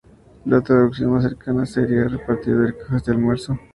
La traducción más cercana sería "repartidor de cajas de almuerzo".